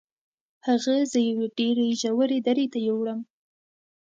هغه زه یوې ډیرې ژورې درې ته یووړم.